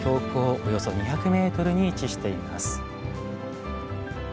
およそ２００メートルに位置しています。